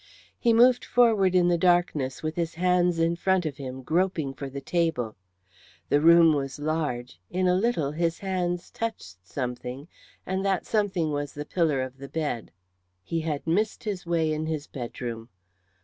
He moved forward in the darkness with his hands in front of him, groping for the table. The room was large; in a little his hands touched something, and that something was a pillar of the bed. He had missed his way in his bedroom.